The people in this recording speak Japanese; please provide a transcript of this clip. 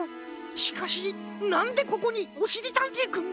しかしなんでここにおしりたんていくんが？